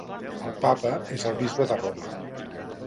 El Papa és el bisbe de Roma.